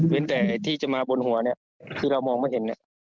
เว้นแต่ที่จะมาบนหัวคือเรามองไม่เห็น